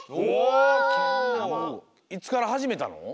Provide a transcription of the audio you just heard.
いつからはじめたの？